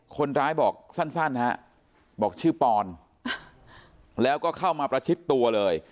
คนร้ายบอกสั้นฮะบอกชื่อปอนแล้วก็เข้ามาประชิดตัวเลย